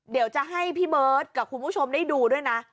เดี๋ยวจะให้พี่เบิร์ตกับคุณผู้ชมได้ดูด้วยนะ